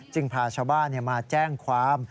พาชาวบ้านมาแจ้งความ